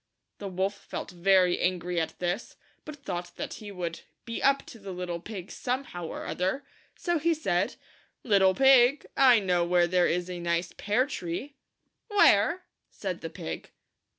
The wolf felt very angry at this, but thought that he would be up to the little pig some how or other, so he said, " Little pig, I know where there is a nice pear tree." " Where ?" said the pig.